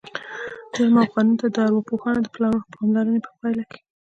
جرم او قانون ته د ارواپوهانو د پاملرنې په پایله کې